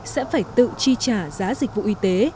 sẽ phải tự chi trả giá dịch vụ y tế